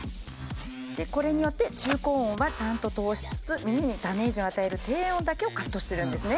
これによって中高音はちゃんと通しつつ耳にダメージを与える低音だけをカットしてるんですね。